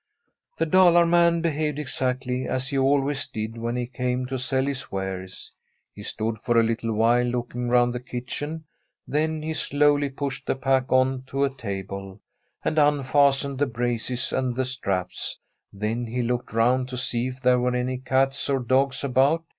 The Dalar man behaved exactly as he always did when he came to sell his wares. He stood for a little while looking round the kitchen ; then he slowly pushed the pack on to a table, and un fastened the braces and the straps; then he looked round to see if there were any cats or dogs about.